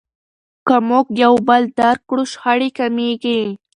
که موږ یو بل درک کړو شخړې کمیږي.